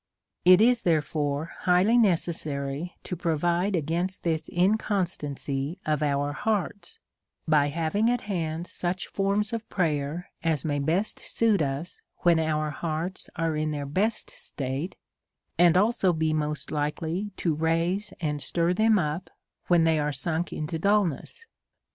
It is therefore highly necessary to provide against this inconstancy of our hearts, by having at hand such forms of prayer as may best suit us when our hearts are in their best state, and also be most likely to raise and stir them up when they are sunk into dulness.